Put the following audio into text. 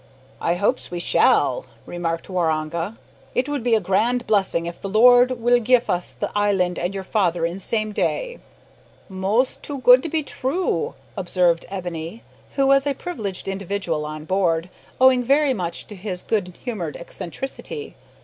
"I hopes we shall," remarked Waroonga. "It would be a grand blessing if the Lord will gif us the island and your father in same day." "Mos' too good to be true," observed Ebony, who was a privileged individual on board, owing very much to his good humoured eccentricity.